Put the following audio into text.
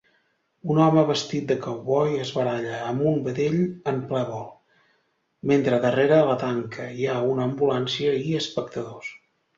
Un home vestit de cowboy es baralla amb un vedell en ple vol, mentre darrera la tanca hi ha una ambulància i espectadors